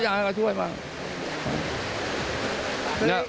ก็อยากให้เขาช่วยมาก